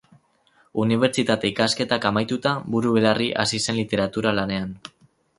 Unibertsitate-ikasketak amaituta, buru-belarri hasi zen literaturan lanean.